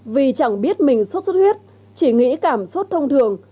vì chẳng biết mình sốt xuất huyết chỉ nghĩ cảm xúc thông thường